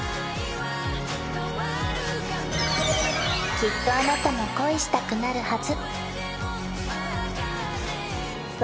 きっとあなたも恋したくなるはず